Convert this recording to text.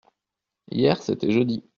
Hier c’était jeudi.